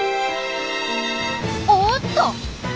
おおっと！